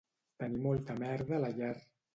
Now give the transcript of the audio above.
Tenir molta merda a la llar